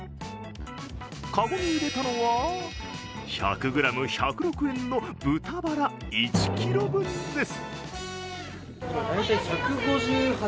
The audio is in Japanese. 籠に入れたのは１００ｇ１０６円の豚バラ１ｋｇ分です。